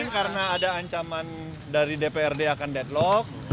karena ada ancaman dari dprd akan deadlock